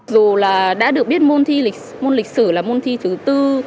dù là đã được biết môn lịch sử là môn thi thứ bốn